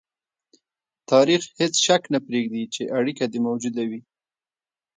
تاریخ هېڅ شک نه پرېږدي چې اړیکه دې موجوده وي.